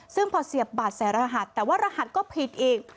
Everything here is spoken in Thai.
ซึ่งพอเสียบบัตรแสรหัสแต่ว่ารหัสก็ผิดอีก